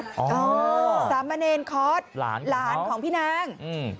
อ๋อสามเณรคอร์สหลานของพี่นางอืมสามเณรคอร์สหลานของพี่นาง